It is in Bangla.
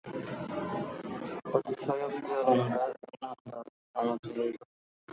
অতিশয়োক্তি অলংকার, এর নাম দাও অনতীন্দ্র।